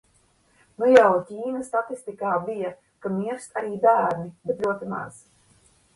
Nu jau Ķīnas statistikā bija, ka mirst arī bērni, bet ļoti maz.